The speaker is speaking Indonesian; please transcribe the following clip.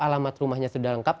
alamat rumahnya sudah lengkap